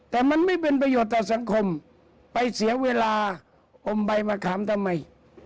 แต่มันไม่เป็นประโยชน์ต่อสังคมไปเสียเวลาอมใบมะขามทำไม